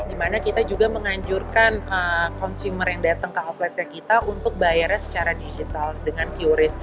di mana kita juga menganjurkan consumer yang datang ke outletnya kita untuk bayarnya secara digital dengan purist